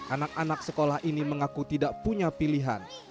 anak anak sekolah ini mengaku tidak punya pilihan